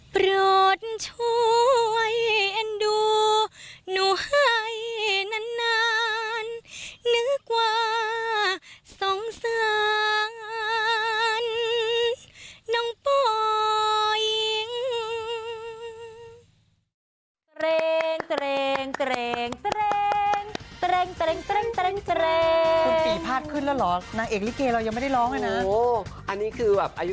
โปรดช่วยดูหนูให้นานนานนึกว่าสงสารน้องป่อย